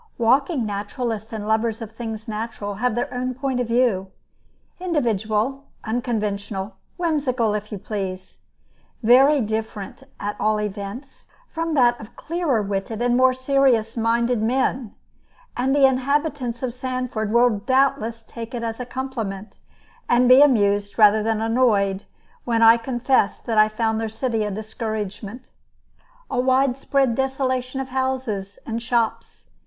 Walking naturalists and lovers of things natural have their own point of view, individual, unconventional, whimsical, if you please, very different, at all events, from that of clearer witted and more serious minded men; and the inhabitants of Sanford will doubtless take it as a compliment, and be amused rather than annoyed, when I confess that I found their city a discouragement, a widespread desolation of houses and shops.